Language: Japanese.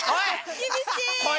厳しい！